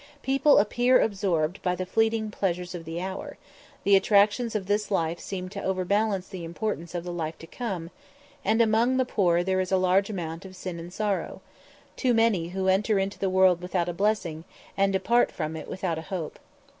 People appear absorbed by the fleeting pleasures of the hour; the attractions of this life seem to overbalance the importance of the life to come; and among the poor there is a large amount of sin and sorrow too many who enter the world without a blessing, and depart from it without a hope.